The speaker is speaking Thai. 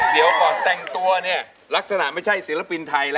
เดี๋ยวก่อนแต่งตัวเนี่ยลักษณะไม่ใช่ศิลปินไทยแล้ว